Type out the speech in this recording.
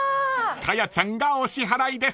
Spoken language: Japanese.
［かやちゃんがお支払いです］